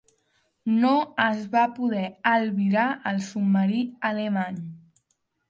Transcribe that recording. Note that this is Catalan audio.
No es va poder albirar al submarí alemany.